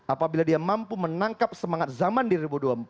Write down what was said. apabila dia mampu menangkap semangat zaman di dua ribu dua puluh empat